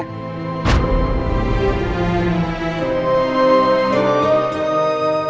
kita ini bukan hidup di zaman batu